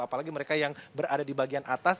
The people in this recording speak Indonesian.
apalagi mereka yang berada di bagian atas